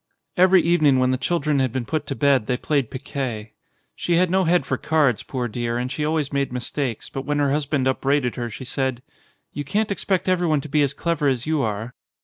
Every evening when the children had been put to bed they played piquet. She had no head for cards, poor dear, and she always made mistakes, but when her husband upbraided her, she said : "You can't expect everyone to be as clever as you are."